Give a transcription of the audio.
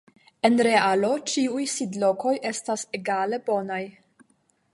En realo ĉiuj sidlokoj estas egale bonaj.